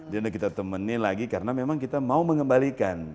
dan kita temenin lagi karena memang kita mau mengembalikan